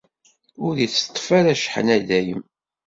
Ur itteṭṭef ara cceḥna i dayem.